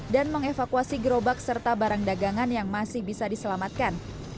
dan mengevakuasi gerobak serta barang dagangan yang masih bisa diselamatkan